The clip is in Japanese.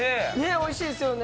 おいしいですよね。